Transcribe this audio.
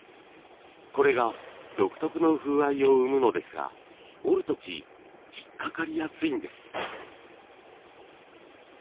これが独特の風合いを生むのですが織る時引っかかりやすいんです。